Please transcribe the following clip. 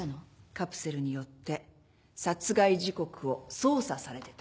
カプセルによって殺害時刻を操作されてた。